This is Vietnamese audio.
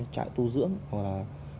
chạy tu dưỡng hoặc là